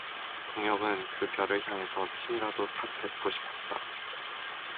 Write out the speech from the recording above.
동혁은 그 별을 향해서 침이라도 탁 뱉고 싶었다.